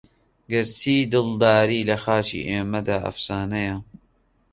گەر چی دڵداری لە خاکی ئێمەدا ئەفسانەیە